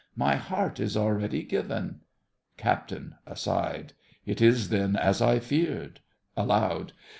My heart is already given. CAPT. (aside). It is then as I feared. (Aloud.)